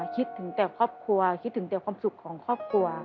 คิดถึงแต่ครอบครัวคิดถึงแต่ความสุขของครอบครัว